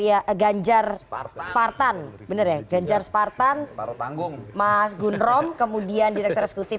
ya ganjar spartan beneran ganjar spartan baro tanggung mas gunrom kemudian direktur eksekutif